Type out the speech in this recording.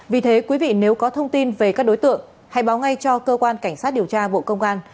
vì thế quý vị nếu có thông tin về các đối tượng hãy báo ngay cho cơ quan cảnh sát điều tra bộ công an